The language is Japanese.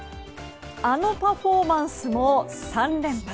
あのパフォーマンスも３連発。